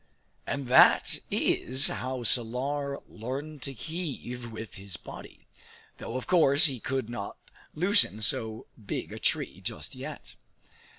And that is how Salar learned to heave with his body, though of course he could not loosen so big a tree just yet.